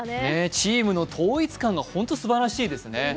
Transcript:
チームの統一感が本当、すばらしいですね。